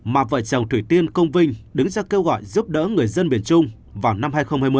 mà vợ chồng thủy tiên công vinh đứng ra kêu gọi giúp đỡ người dân miền trung vào năm hai nghìn hai mươi một